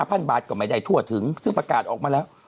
พันบาทก็ไม่ได้ทั่วถึงซึ่งประกาศออกมาแล้ว